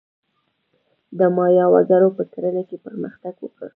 د مایا وګړو په کرنه کې پرمختګ وکړ.